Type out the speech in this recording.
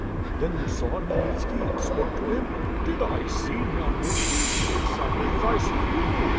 "Then you saw Khmyelnitski, and spoke to him?" "Did I see Khmyelnitski? Exactly as I see you.